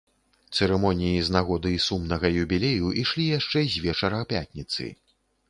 Цырымоніі з нагоды сумнага юбілею ішлі яшчэ з вечара пятніцы.